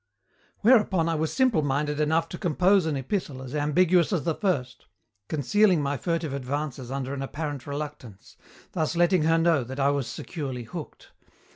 "Whereupon I was simple minded enough to compose an epistle as ambiguous as the first, concealing my furtive advances under an apparent reluctance, thus letting her know that I was securely hooked.